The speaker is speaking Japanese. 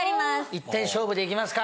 １点勝負でいきますか。